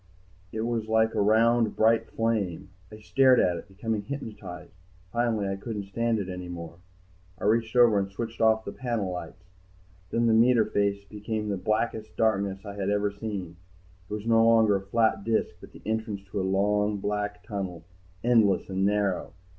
It was like a round, bright flame. I stared at it, becoming hypnotized. Finally I couldn't stand it any more, I reached over and switched off the panel lights. Then the meter face became the blackest darkness I had ever seen, it was no longer a flat disk, but the entrance to a long, black tunnel, endless and narrow.